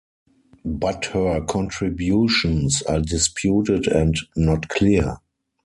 But her contributions are disputed and not clear.